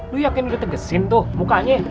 lo yakin gak tegesin tuh mukanya